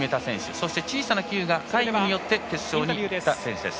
そして小さなｑがタイムによって決勝にいった選手です。